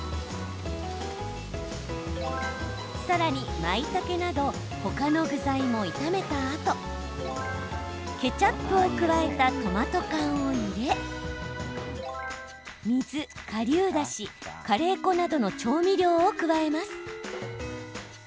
さらに、まいたけなど他の具材も炒めたあとケチャップを加えたトマト缶を入れ水、かりゅうだしカレー粉などの調味料を加えます。